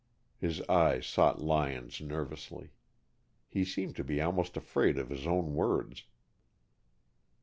His eyes sought Lyon's nervously. He seemed to be almost afraid of his own words.